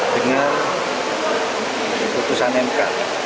dengan keputusan mk